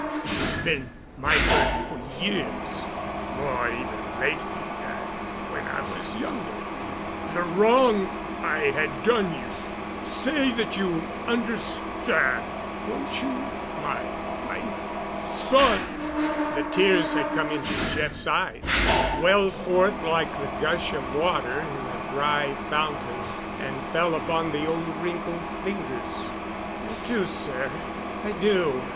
It has been my burden for years—more even lately—than when I was younger—the wrong I had done you. Say that you understand—won't you—my—my—son?" The tears had come into Jeff's eyes, welled forth like the gush of water in a dry fountain, and fell upon the old wrinkled fingers. "I do, sir—I do."